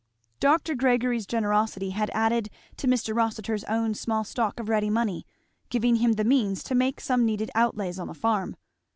Dr. Gregory's generosity had added to Mr. Rossitur's own small stock of ready money, giving him the means to make some needed outlays on the farm.